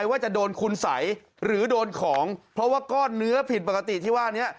ว่าจะโดนคุณสัยหรือโดนของเพราะว่าก้อนเนื้อผิดปกติที่ว่านี้